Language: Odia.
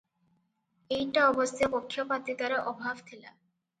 ଏଇଟା ଅବଶ୍ୟ ପକ୍ଷ ପାତିତାର ଅଭାବ ଥିଲା ।